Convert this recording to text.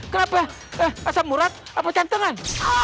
kenapa asam murad atau cantengan